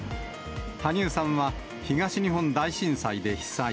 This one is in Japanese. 羽生さんは東日本大震災で被災。